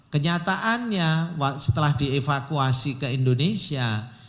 kenyataannya setelah dievakuasi ke indonesia